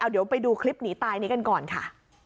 เดี๋ยวไปดูคลิปหนีตายนี้กันก่อนค่ะ